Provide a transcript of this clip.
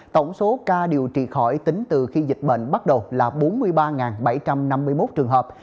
tổng số ca điều trị khỏi tính từ khi dịch bệnh bắt đầu là bốn mươi ba bảy trăm năm mươi một trường hợp